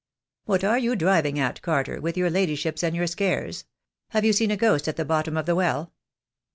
"What are you driving at, Carter, with your ladyships and your scares? Have you seen a ghost at the bottom of the well?"